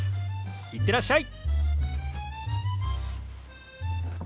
行ってらっしゃい！